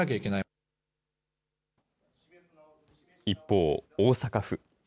一方、大阪府。